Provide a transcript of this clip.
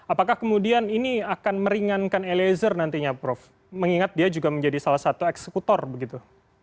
apakah kemudian ini akan meringankan eliezer nantinya prof mengingat dia juga menjadi salah satu eksekutor begitu